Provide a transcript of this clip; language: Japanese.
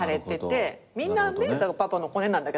みんなパパのコネなんだけど私たちは。